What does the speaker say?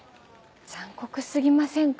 残酷過ぎませんか？